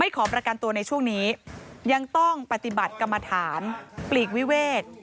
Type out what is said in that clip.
ขอประกันตัวในช่วงนี้ยังต้องปฏิบัติกรรมฐานปลีกวิเวก